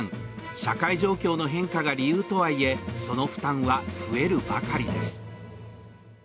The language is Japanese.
社会状況の変化が理由とはいえ、その負担は増えるばかりです。